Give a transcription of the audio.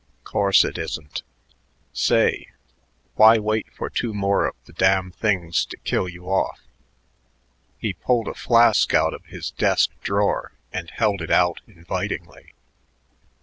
"Course it isn't. Say, why wait for two more of the damn things to kill you off?" He pulled a flask out of his desk drawer and held it out invitingly.